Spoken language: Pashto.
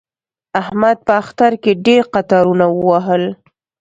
احمد په اختر کې ډېر قطارونه ووهل.